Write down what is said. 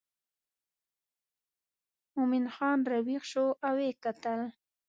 مومن خان راویښ شو او وکتل.